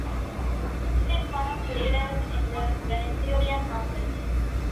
It is one of the leaders in the Venezuelan market.